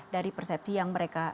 dari persepsi yang mereka